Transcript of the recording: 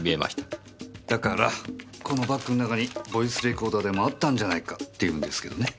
だからこのバッグの中にボイスレコーダーでもあったんじゃないかって言うんですけどね。